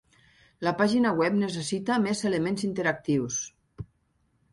La pàgina web necessita més elements interactius.